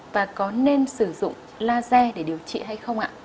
và có nên sử dụng laser để điều trị hay không ạ